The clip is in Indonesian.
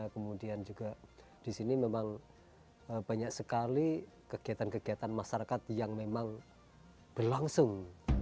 kemudian juga di sini memang banyak sekali kegiatan kegiatan masyarakat yang memang berlangsung